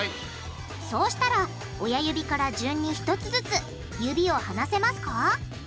そうしたら親指から順に１つずつ指を離せますか？